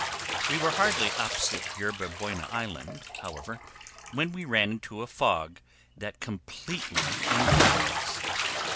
We were hardly opposite Yerba Buena Island, however, when we ran into a fog that completely engulfed us.